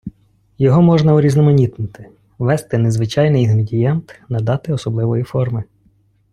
Його можна урізноманітнити: ввести незвичайний інгредієнт, надати особливої форми.